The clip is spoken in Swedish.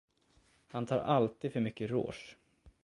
Han tar alltid för mycket rouge.